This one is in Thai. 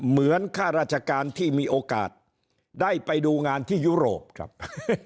ข้าราชการที่มีโอกาสได้ไปดูงานที่ยุโรปครับ